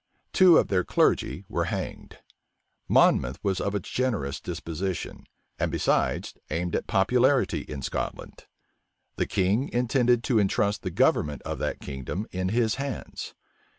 Two of their clergy were hanged. Monmouth was of a generous disposition; and, besides, aimed at popularity in Scotland. The king intended to intrust the government of that kingdom in his hands.